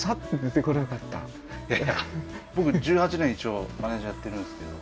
いやいや僕１８年一応マネージャーやってるんですけど。